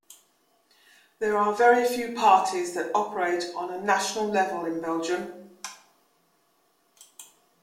There are very few parties that operate on a national level in Belgium.